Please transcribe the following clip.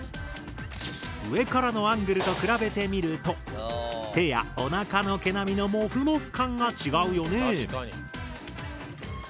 上からのアングルと比べてみると手やおなかの毛並みのもふもふ感が違うよね。